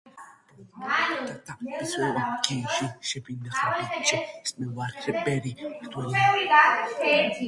იგი იყო ქვისგან აშენებული და სამსაკურთხევლიანი.